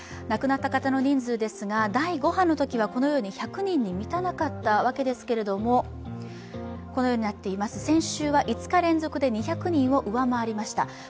亡くなった方の人数ですが第５波のときはこのように１００人に満たなかったわけですけども、先週は５日連続で２００人を上回りました。